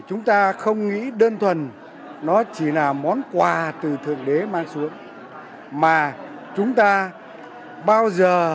chúng ta không nghĩ đơn thuần nó chỉ là món quà từ thực tế mang xuống mà chúng ta bao giờ